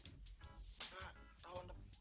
nah tahun depan